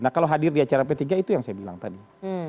nah kalau hadir di acara p tiga itu yang saya bilang tadi